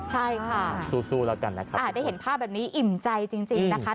ใช่ค่ะสู้สู้แล้วกันนะครับอ่าได้เห็นภาพแบบนี้อิ่มใจจริงจริงนะคะ